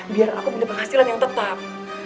biar aku punya penghasilan yang tetap